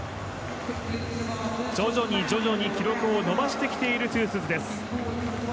徐々に徐々に記録を伸ばしてきているトゥースズ。